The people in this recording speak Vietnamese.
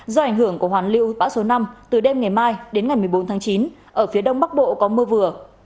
do ảnh hưởng của hoàn lưu bão số năm từ đêm ngày mai đến ngày một mươi bốn tháng chín ở phía đông bắc bộ có mưa vừa